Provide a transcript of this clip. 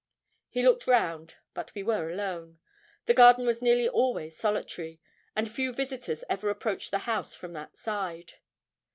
He looked round, but we were alone. The garden was nearly always solitary, and few visitors ever approached the house from that side.